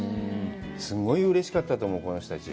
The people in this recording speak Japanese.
すごいうれしかったと思う、この人たち。